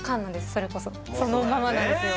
それこそそのままなんですよ